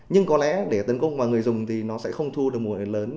nhưng có lẽ để tấn công vào người dùng thì nó sẽ không thu được một nguồn lệnh lớn